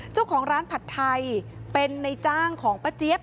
เจ้าของร้านผัดไทยเป็นในจ้างของป้าเจี๊ยบ